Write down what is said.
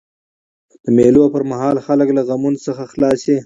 د مېلو پر مهال خلک له غمونو څخه خلاص يي.